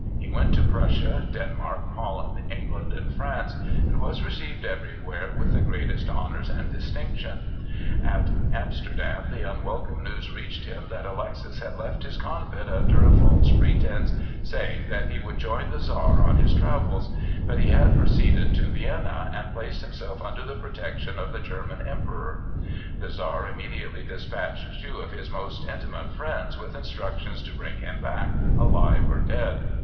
He went to Prussia, Denmark, Holland, England and France, and was received everywhere with the greatest honors and distinctions. At Amsterdam the unwelcome news reached him that Alexis had left his convent under a false pretence, saying that he would join the Czar on his travels; but he had proceeded to Vienna and placed himself under the protection of the German Emperor. The Czar immediately despatched two of his most intimate friends with instructions to bring him back, alive or dead.